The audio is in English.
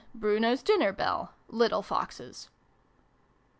Bruno's Dinner Bell ; Little Foxes.